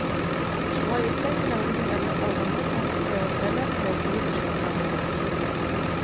Шулай эстән генә үҙен әрләп алғандан һуң, тәүәкәлләп һөйләшеүҙе башларға булды: